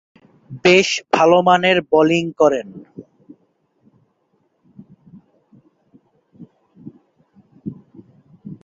বেশ ভালোমানের বোলিং করেন।